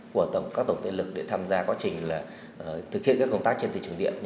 của các tổng tiền lực để tham gia quá trình thực hiện các công tác trên thị trường điện